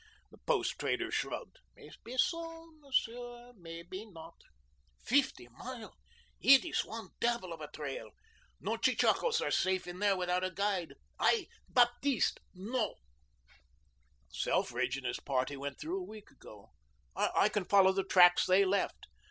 The post trader shrugged. "Maybeso, Monsieur maybe not. Feefty Mile it ees one devil of a trail. No chechakoes are safe in there without a guide. I, Baptiste, know." "Selfridge and his party went through a week ago. I can follow the tracks they left."